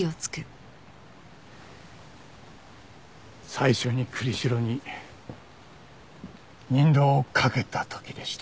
最初に栗城に任同をかけた時でした。